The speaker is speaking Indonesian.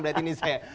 berarti ini saya